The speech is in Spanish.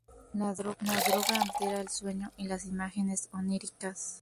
La droga altera el sueño y las imágenes oníricas.